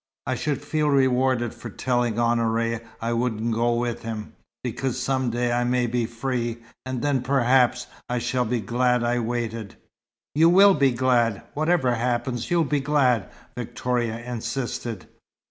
I should feel rewarded for telling Honoré I wouldn't go with him; because some day I may be free, and then perhaps I shall be glad I waited " "You will be glad. Whatever happens, you'll be glad," Victoria insisted.